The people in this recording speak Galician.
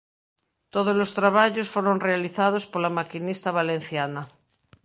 Todos os traballos foron realizados pola Maquinista Valenciana.